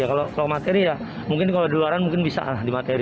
kalau materi mungkin kalau di luar bisa di materi